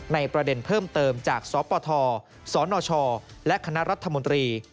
ประเด็นเพิ่มเติมจากสปทสนชและคณะรัฐมนตรี